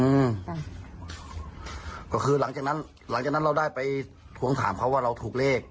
อืมก็คือหลังจากนั้นหลังจากนั้นเราได้ไปทวงถามเขาว่าเราถูกเลข